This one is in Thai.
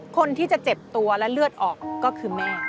คนที่จะเจ็บตัวและเลือดออกก็คือแม่